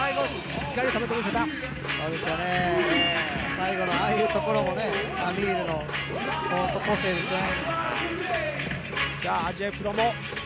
最後のああいうところもＡｍｉｒの個性ですね。